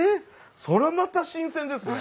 そりゃまた新鮮ですね。